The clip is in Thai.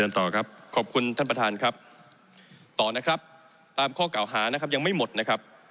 ต่อนะครับตามข้อกล่าวหายังไม่หมดนะครับ